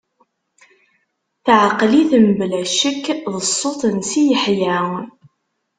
Teɛqel-it, mebla ccek, d ṣṣut n Si Yeḥya.